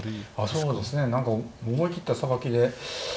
そうですね何か思い切ったさばきで。